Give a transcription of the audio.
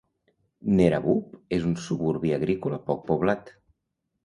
Neerabup és un suburbi agrícola poc poblat.